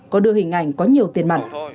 có đưa hình ảnh có nhiều tiền mặt